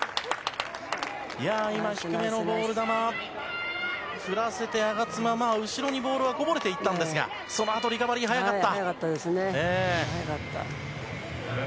低めのボール球振らせて我妻、後ろにボールはこぼれていったんですがそのあと、リカバリー早かった。